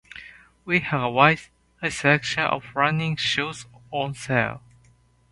We have a wide selection of running shoes on sale.